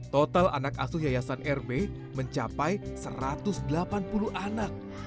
total anak asuh yayasan rb mencapai satu ratus delapan puluh anak